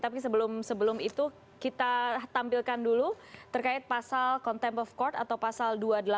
tapi sebelum itu kita tampilkan dulu terkait pasal contempt of court atau pasal dua puluh delapan